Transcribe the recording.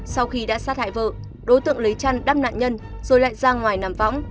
sau khi đã sát hại vợ đối tượng lấy chăn đắp nạn nhân rồi lại ra ngoài nằm võng